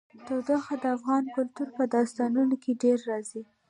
تودوخه د افغان کلتور په داستانونو کې ډېره راځي.